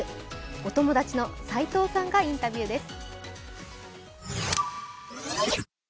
お友達の斎藤さんがインタビューです。